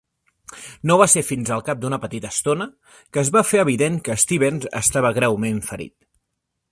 No va ser fins al cap d'una petita estona que es va fer evident que Stevens estava greument ferit.